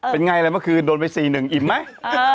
เป็นอย่างไรเมื่อคืนโดนไปสี่หนึ่งอิ่มไหม